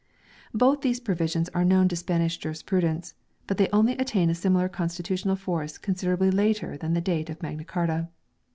Both these provisions are known to Spanish juris prudence, but they only attain a similar constitutional force considerably later than the date of Magna Carta.